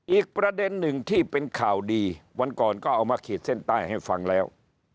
อีกประเด็นหนึ่งที่เป็นข่าวดีวันก่อนก็เอามาขีดเส้นใต้ให้ฟังแล้ว